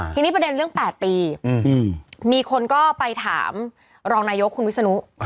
ทีนี้ประเด็นเรื่อง๘ปีมีคนก็ไปถามรองนายกคุณวิศนุ